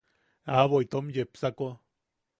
Aʼabo itom yepsako.